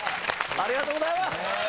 ありがとうございます！